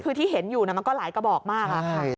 คือที่เห็นอยู่มันก็หลายกระบอกมากค่ะ